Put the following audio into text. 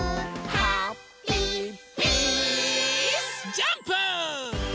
ジャンプ！